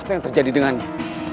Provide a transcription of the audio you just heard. apa yang terjadi dengannya